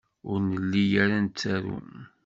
Ur nelli ara nettaru.